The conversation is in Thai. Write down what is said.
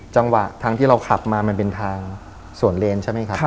จังหวะทางที่เราขับมามันเป็นทางส่วนเลนใช่ไหมครับ